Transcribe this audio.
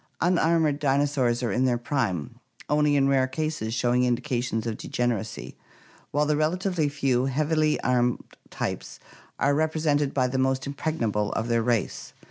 Unarmored dinosaurs are in their prime, only in rare cases showing indications of degeneracy, while the relatively few heavily armored types are represented by the most impregnable of their race.